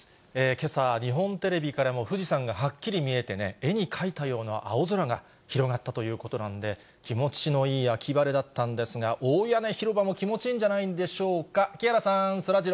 けさ、日本テレビからも富士山がはっきり見えてね、絵に描いたような青空が広がったということなんで、気持ちのいい秋晴れだったんですが、大屋根広場も気持ちいいんじゃないでしょうか。